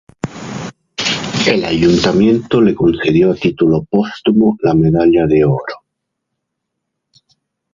El ayuntamiento le concedió a título póstumo la Medalla de Oro.